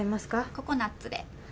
ココナッツで。